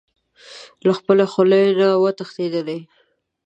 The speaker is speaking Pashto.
له خپلې خولې نه و تښتېدلی.